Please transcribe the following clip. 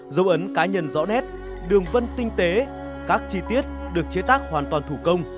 dấu ấn cá nhân rõ nét đường vân tinh tế các chi tiết được chế tác hoàn toàn thủ công